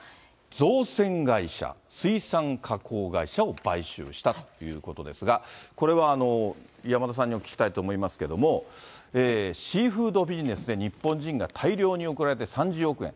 造船会社、水産加工会社を買収したということですが、これは山田さんにお聞きしたいと思いますけれども、シーフードビジネスで日本人が大量に送られて、３０億円。